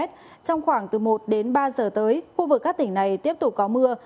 trong khoảng từ một đến ba giờ tới khu vực các tỉnh này tiếp tục có mưa